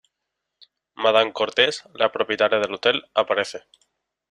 Madame Cortese, la propietaria del hotel, aparece.